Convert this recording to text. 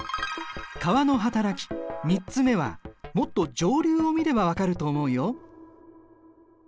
川のはたらき３つ目はもっと上流を見れば分かると思うよ。